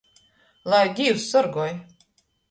Lai Dīvs sorgoj!